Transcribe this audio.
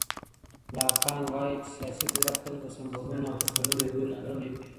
لاکان وایي چې سیاسي قدرت تل په سمبولونو او تصویرونو پورې تړلی وي.